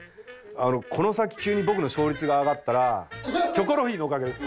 この先急に僕の勝率が上がったら『キョコロヒー』のおかげです。